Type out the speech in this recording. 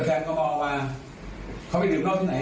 แต่ถ้าแฟนก็มองว่าเขาไปดื่มเหล้าที่ไหน